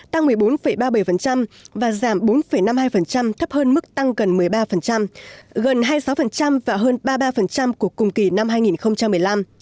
tăng một mươi bốn ba mươi bảy và giảm bốn năm mươi hai thấp hơn mức tăng gần một mươi ba gần hai mươi sáu và hơn ba mươi ba của cùng kỳ năm hai nghìn một mươi năm